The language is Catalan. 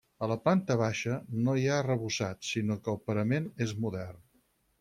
A la planta baixa, no hi ha arrebossat, sinó que el parament és modern.